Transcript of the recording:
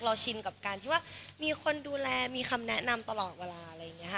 ชินกับการที่ว่ามีคนดูแลมีคำแนะนำตลอดเวลาอะไรอย่างนี้ค่ะ